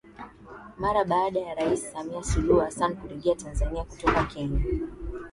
Mara baada ya Rais Samia Suluhu Hassan kurejea Tanzania kutoka Kenya